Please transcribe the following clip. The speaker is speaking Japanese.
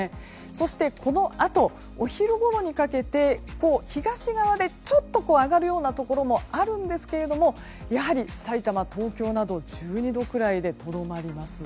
そして、このあとお昼ごろにかけて東側でちょっと上がるところもありますがやはり埼玉、東京など１２度くらいでとどまります。